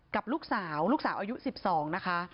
กับลูกสาวลูกสาวอายุ๑๒นะคะ